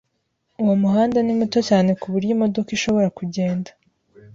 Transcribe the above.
Uwo muhanda ni muto cyane kuburyo imodoka ishobora kugenda.